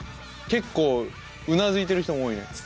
結構うなずいてる人も多いね。